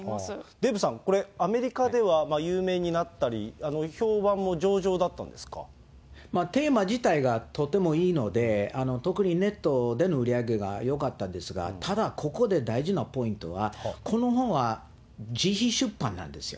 デーブさん、これ、アメリカでは有名になったり、テーマ自体がとてもいいので、特にネットでの売り上げがよかったんですが、ただ、ここで大事なポイントは、この本は自費出版なんですよ。